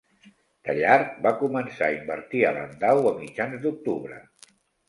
Tallard va començar a invertir a Landau a mitjans d'octubre.